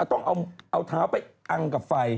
ต้องเอาเท้าไปอังกับไฟ